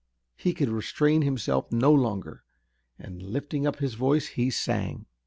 He could restrain himself no longer, and lifting up his voice he sang.